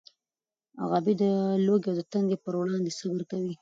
غابي د لوږې او تندې پر وړاندې صبر کوي.